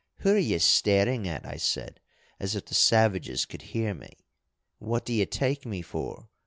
'Who're ye staring at?' I said, as if the savages could hear me. 'What d'ye take me for?